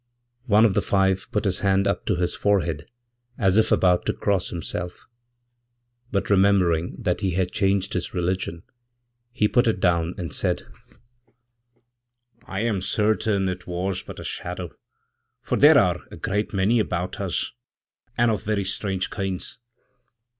One ofthe five put his hand up to his forehead as if about to crosshimself, but remembering that he had changed his religion he put itdown, and said: 'I am certain it was but a shadow, for there are agreat many about us, and of very strange kinds.'